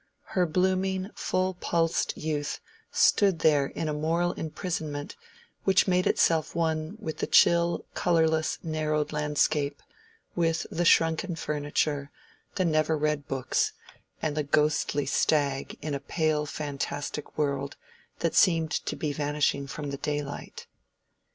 Her blooming full pulsed youth stood there in a moral imprisonment which made itself one with the chill, colorless, narrowed landscape, with the shrunken furniture, the never read books, and the ghostly stag in a pale fantastic world that seemed to be vanishing from the daylight.